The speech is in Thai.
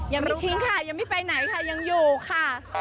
ยังไม่ทิ้งค่ะยังไม่ไปไหนค่ะยังอยู่ค่ะ